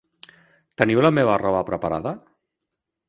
Teniu la meva roba preparada?